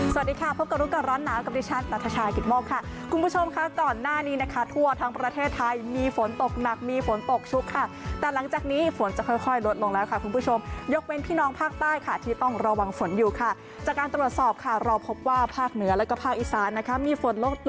สวัสดีค่ะพบกับรู้ก่อนร้อนหนาวกับดิฉันนัทชายกิตโมกค่ะคุณผู้ชมค่ะก่อนหน้านี้นะคะทั่วทั้งประเทศไทยมีฝนตกหนักมีฝนตกชุกค่ะแต่หลังจากนี้ฝนจะค่อยค่อยลดลงแล้วค่ะคุณผู้ชมยกเว้นพี่น้องภาคใต้ค่ะที่ต้องระวังฝนอยู่ค่ะจากการตรวจสอบค่ะเราพบว่าภาคเหนือแล้วก็ภาคอีสานนะคะมีฝน